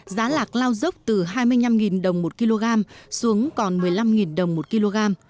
giá lạc lao dốc từ hai mươi năm đồng một kg xuống còn một mươi năm đồng một kg